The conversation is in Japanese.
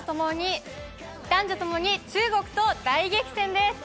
男女ともに中国と大激戦です。